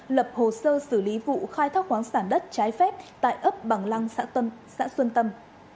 lập hồ sơ xử lý vụ khai thác khoáng sản đất trái phép tại ấp bằng lăng xã tân xã xuân tâm